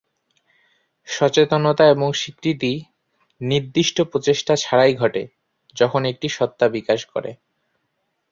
সচেতনতা এবং স্বীকৃতি নির্দিষ্ট প্রচেষ্টা ছাড়াই ঘটে যখন একটি সত্তা বিকাশ করে।